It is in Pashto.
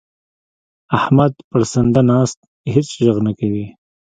احمد پړسنده ناست؛ هيڅ ږغ نه کوي.